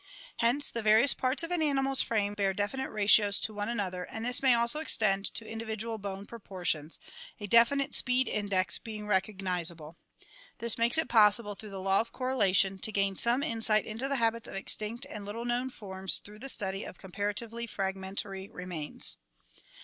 Hence the various parts of an animal's frame bear definite ratios to one another and this may also extend to individual bone pro portions, a definite "speed index" being recognizable. This makes it possible through the law of correlation to gain some insight into the habits of extinct and little known forms through the study of comparatively fragmentary remains.